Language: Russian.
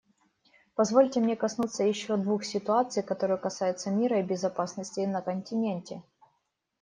Позвольте мне коснуться еще двух ситуаций, которые касаются мира и безопасности на континенте.